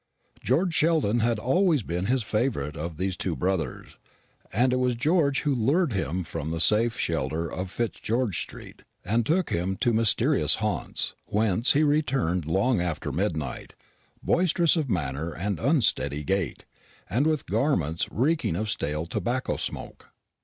George Sheldon had always been his favourite of these two brothers; and it was George who lured him from the safe shelter of Fitzgeorge street and took him to mysterious haunts, whence he returned long after midnight, boisterous of manner and unsteady of gait, and with garments reeking of stale tobacco smoke.